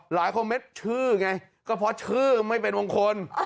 หลายคนเม็ดชื่อไงก็เพราะชื่อไม่เป็นวงคล